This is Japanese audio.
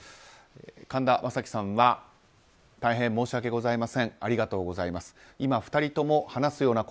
神田正輝さんは大変申し訳ございません。